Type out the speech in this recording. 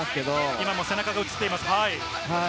今も背中が映ってます。